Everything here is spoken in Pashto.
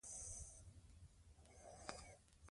خو موږ باید هڅه وکړو.